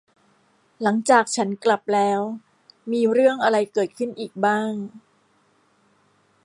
หลังจากฉับกลับแล้ว มีเรื่องอะไรเกิดขึ้นอีกบ้าง